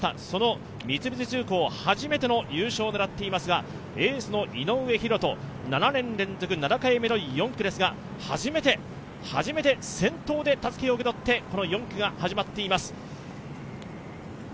その三菱重工、初めての優勝を狙っていますが、エースの井上大仁、７年連続７回目の４区ですが、初めて先頭でたすきを受け取って４区が始まっています。